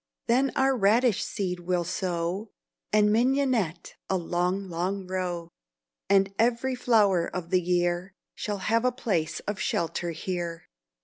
Then our radish seed we'll sow, And mignionette a long, long row; And ev'ry flowret of the year, Shall have a place of shelter here.